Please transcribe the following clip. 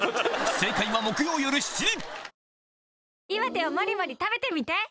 正解は木曜夜７時